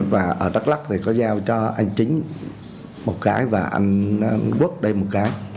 và ở đắk lắc thì có giao cho anh chính một cái và anh quốc đây một cái